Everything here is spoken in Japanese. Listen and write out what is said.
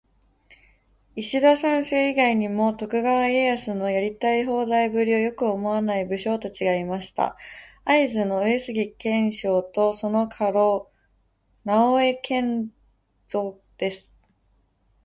石田三成以外にも、徳川家康のやりたい放題ぶりをよく思わない武将達がいました。会津の「上杉景勝」とその家老「直江兼続」です。